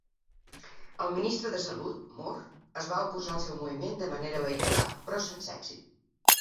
El ministre de Salut, Moore, es va oposar al seu moviment de manera vehicular però sense èxit.